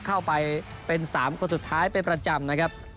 เข้าไปเป็น๓คนสุดท้ายเป็นประจำนะครับ